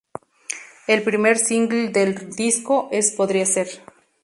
El primer single del disco es ""Podría ser"".